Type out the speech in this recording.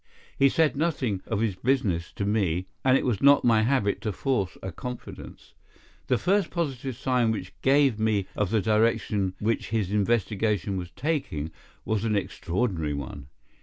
He said nothing of his business to me, and it was not my habit to force a confidence. The first positive sign which he gave me of the direction which his investigation was taking was an extraordinary one.